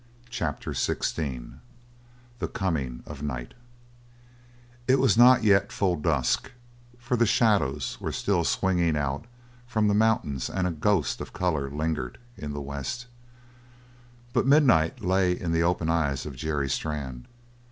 CHAPTER XVI THE COMING OF NIGHT It was not yet full dusk, for the shadows were still swinging out from the mountains and a ghost of colour lingered in the west, but midnight lay in the open eyes of Jerry Strann.